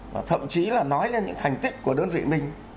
và thậm chí là nói lên những thành tích của đơn vị mình